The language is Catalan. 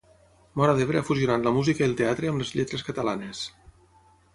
Móra d'Ebre ha fusionat la música i el teatre amb les lletres catalanes.